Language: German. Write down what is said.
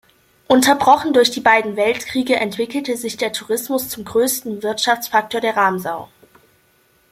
Unterbrochen durch die beiden Weltkriege, entwickelte sich der Tourismus zum größten Wirtschaftsfaktor der Ramsau.